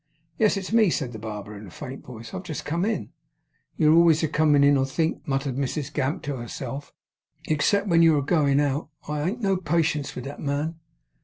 'Yes, it's me,' said the barber in a faint voice; 'I've just come in.' 'You're always a comin' in, I think,' muttered Mrs Gamp to herself, 'except wen you're a goin' out. I ha'n't no patience with that man!